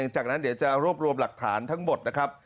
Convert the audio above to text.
จากนั้นเดี๋ยวจะรวบรวมหลักฐานทั้งหมดนะครับ